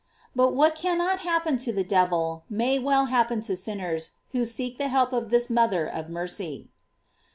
But what cannot happen to the devil may well happen to sinners who seek the help of this mother of mercy.